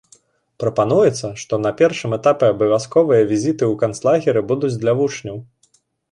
Прапануецца, што на першым этапе абавязковыя візіты ў канцлагеры будуць для вучняў.